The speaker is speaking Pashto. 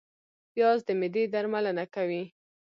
پیاز د معدې درملنه کوي